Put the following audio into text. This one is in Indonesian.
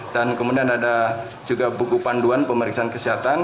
dan kemudian ada juga buku panduan pemeriksaan kesehatan